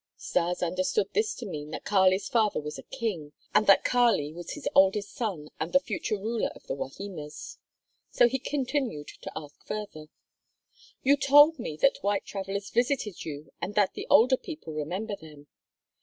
Stas understood this to mean that Kali's father was a king, and that Kali was his oldest son and the future ruler of the Wahimas. So he continued to ask further: "You told me that white travelers visited you and that the older people remember them."